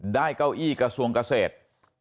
เก้าอี้กระทรวงเกษตร